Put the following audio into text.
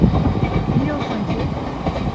Biliyorsun ki…